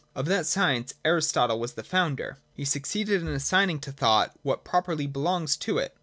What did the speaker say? Of that science Aristotle was the founder. He succeeded in assigning to thought what properly belongs to it.